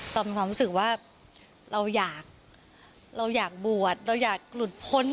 เรามีความรู้สึกว่าเราอยากเราอยากบวชเราอยากหลุดพ้น